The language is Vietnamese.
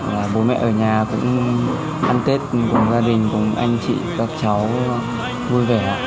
và bố mẹ ở nhà cũng ăn tết cùng gia đình cùng anh chị các cháu vui vẻ